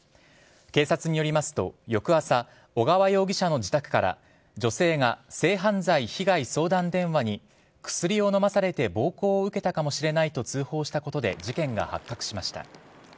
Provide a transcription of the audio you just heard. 警察によりますと翌朝小川容疑者の自宅から女性が性犯罪被害相談電話に薬を飲まされて暴行を受けたかもしれないと通報したことで事件が発覚しました。